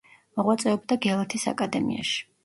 მოღვაწეობდა გელათის აკადემიაში.